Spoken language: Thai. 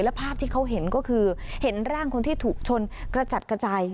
และภาพที่เขาเห็นก็คือเห็นร่างคนที่ถูกชนกระจัดกระจาย